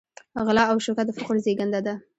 غلا او شوکه د فقر زېږنده ده.